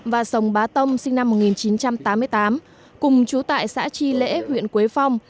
và sông bá tông sinh năm một nghìn chín trăm tám mươi tám cùng chú tại xã tri lễ huyện quế phong